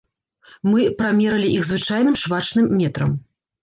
Мы прамералі іх звычайным швачным метрам.